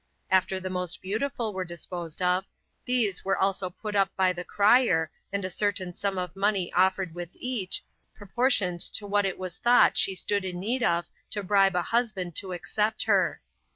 After the most beautiful were disposed of, these were also put up by the crier, and a certain sum of money offered with each, proportioned to what it was thought she stood in need of to bribe a husband to accept her.